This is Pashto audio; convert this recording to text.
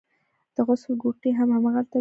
د غسل کوټې هم هماغلته وې.